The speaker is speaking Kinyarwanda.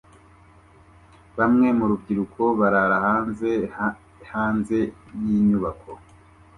Bamwe mu rubyiruko barara hanze hanze yinyubako